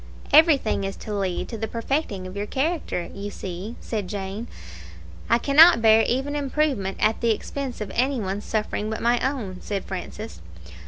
"Everything is to lead to the perfecting of your character, you see," said Jane. "I cannot bear even improvement at the expense of any one's suffering but my own," said Francis.